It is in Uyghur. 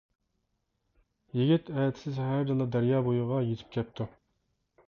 يىگىت ئەتىسى سەھەردىلا دەريا بويىغا يېتىپ كەپتۇ.